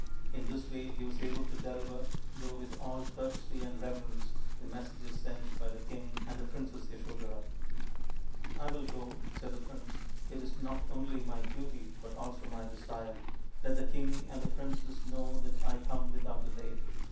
In this way he was able to deliver, though with all courtesy and reverence, the messages sent by the king and the Princess Yasodhara. " I will go/ 3 said the prince. " It is not only my duty but also my desire. Let the king and the princess know that I come without delay."